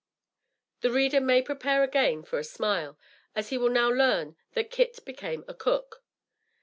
The reader may prepare again for a smile, as he will now learn that Kit became a cook.